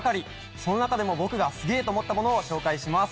その中でも僕がすげぇと思ったものを紹介します。